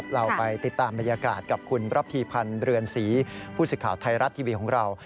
เราไปติดตามบรรยากาศกับคุณระพีพันธ์เรือนศรีผู้สิทธิ์ไทยรัฐทีวีของเรา